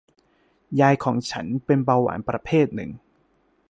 ยายของฉันเป็นเบาหวานประเภทหนึ่ง